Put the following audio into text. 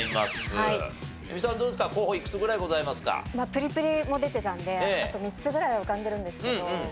プリプリも出てたんであと３つぐらいは浮かんでるんですけど。